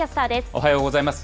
おはようございます。